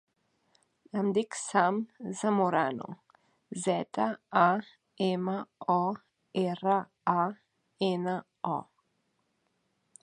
Em dic Sam Zamorano: zeta, a, ema, o, erra, a, ena, o.